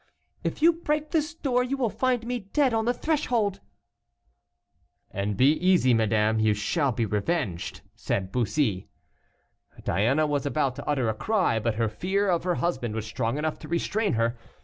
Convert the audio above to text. "If you break this door you will find me dead on the threshold." "And be easy, madame, you shall be revenged," said Bussy. Diana was about to utter a cry, but her fear of her husband was strong enough to restrain her.